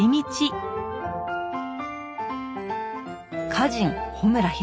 歌人・穂村弘。